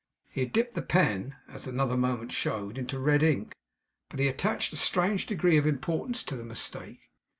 He had dipped the pen, as another moment showed, into red ink. But he attached a strange degree of importance to the mistake.